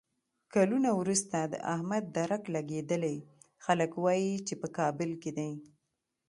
کلونه ورسته د احمد درک لګېدلی، خلک وایي چې په کابل کې دی.